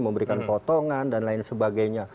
memberikan potongan dan lain sebagainya